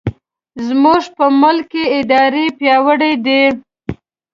زموږ په ملک کې ادارې پیاوړې دي.